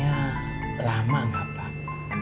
ya lama nggak pak